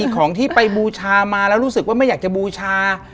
ของที่ไปบูชามาแล้วรู้สึกว่าไม่อยากจะบูชา